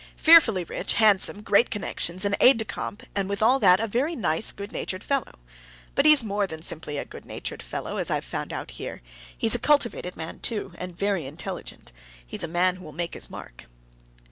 Fearfully rich, handsome, great connections, an aide de camp, and with all that a very nice, good natured fellow. But he's more than simply a good natured fellow, as I've found out here—he's a cultivated man, too, and very intelligent; he's a man who'll make his mark."